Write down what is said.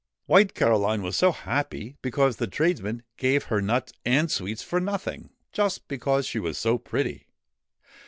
White Caroline was so happy, because the tradesman gave her nuts and sweets for nothing, just because she was so pretty.